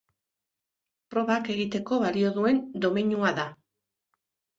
Probak egiteko balio duen domeinua da.